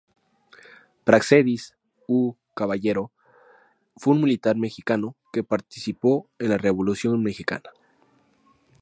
Práxedis W. Caballero fue un militar mexicano que participó en la Revolución mexicana.